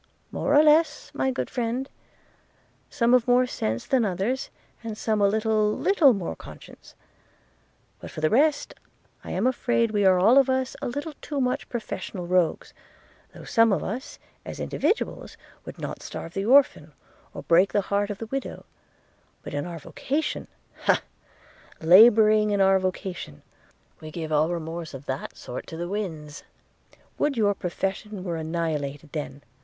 'More or less, my good friend – some of more sense than others, and some a little, little more conscience – but, for the rest, I am afraid we are all of us a little too much professional rogues; though some of us, as individuals, would not starve the orphan, or break the heart of the widow – but in our vocation, Hal! labouring in our vocation, we give all remorse of that sort to the winds.' 'Would your profession were annihilated, then!'